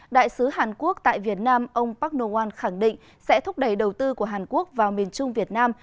đại sứ hàn quốc tại việt nam ông park non khẳng định sẽ thúc đẩy đầu tư của hàn quốc vào miền trung việt nam